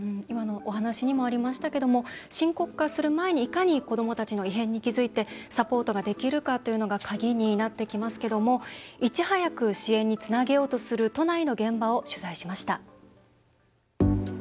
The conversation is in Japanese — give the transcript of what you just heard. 今のお話にもありましたけども深刻化する前にいかに子どもたちの異変に気付いてサポートができるかというのが鍵になってきますけどもいち早く支援につなげようとする都内の現場を取材しました。